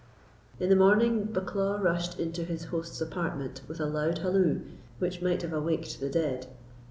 In the morning Bucklaw rushed into his host's apartment with a loud halloo, which might have awaked the dead.